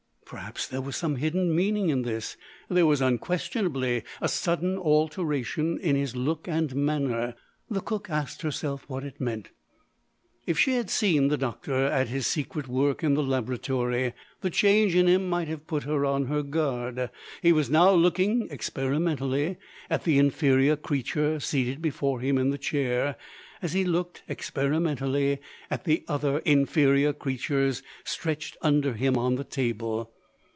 Perhaps, there was some hidden meaning in this. There was unquestionably a sudden alteration in his look and manner; the cook asked herself what it meant. If she had seen the doctor at his secret work in the laboratory, the change in him might have put her on her guard. He was now looking (experimentally) at the inferior creature seated before him in the chair, as he looked (experimentally) at the other inferior creatures stretched under him on the table.